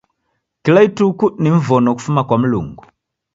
Kila ituku ni mvono kufuma kwa Mlungu.